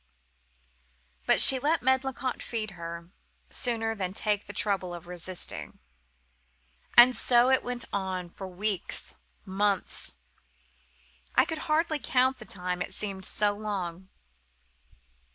But she let Medlicott feed her, sooner than take the trouble of resisting. "And so it went on,—for weeks, months—I could hardly count the time, it seemed so long.